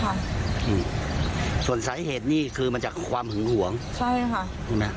อืมส่วนสาเหตุนี่คือมาจากความหึงหวงใช่ค่ะถูกไหม